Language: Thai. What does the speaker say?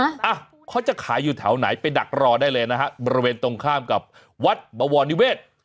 อ่ะเขาจะขายอยู่แถวไหนไปดักรอได้เลยนะฮะบริเวณตรงข้ามกับวัดบวรนิเวศ